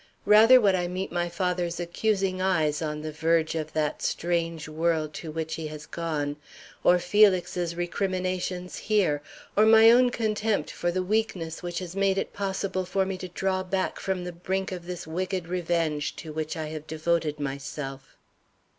Rather would I meet my father's accusing eyes on the verge of that strange world to which he has gone, or Felix's recriminations here, or my own contempt for the weakness which has made it possible for me to draw back from the brink of this wicked revenge to which I have devoted myself.